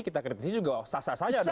kita kritisi juga sah sah saja